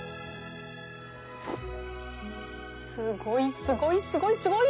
すごいすごいすごいすごい！